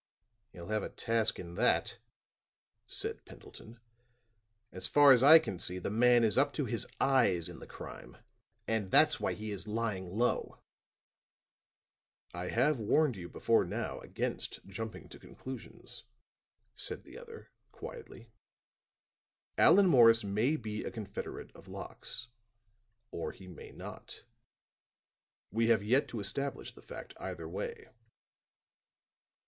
"You'll have a task in that," said Pendleton. "As far as I can see, the man is up to his eyes in the crime; and that's why he is lying low." "I have warned you before now against jumping at conclusions," said the other, quietly. "Allan Morris may be a confederate of Locke's, or he may not. We have yet to establish the fact either way.